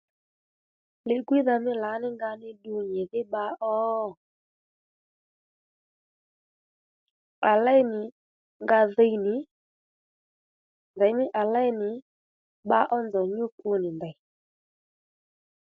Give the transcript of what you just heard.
Li gwíydha mí lǎní nga ní ddu nyìdhí bba ó? à léy nì nga dhiy nì ndèymí à léy nì bba ó nzòw nyú pu nì ndèy